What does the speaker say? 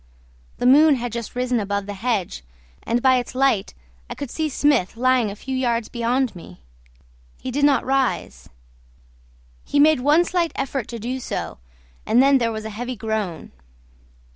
The moon had just risen above the hedge, and by its light I could see Smith lying a few yards beyond me. He did not rise; he made one slight effort to do so, and then there was a heavy groan.